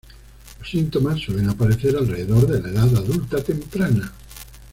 Los síntomas suelen aparecer alrededor de la edad adulta temprana.